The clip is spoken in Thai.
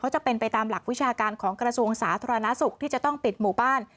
จะเป็นไปตามหลักวิชาการของกระทรวงสาธารณสุขที่จะต้องปิดหมู่บ้าน